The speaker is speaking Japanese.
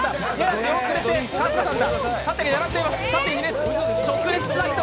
出遅れて春日さんだ。